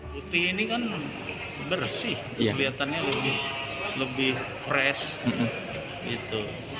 putih ini kan bersih kelihatannya lebih fresh gitu